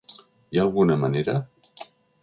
Hi ha alguna manera?